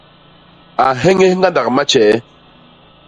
A nhéñés ñgandak matjee.